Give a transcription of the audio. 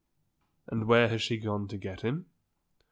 "And where has she gone to get him?"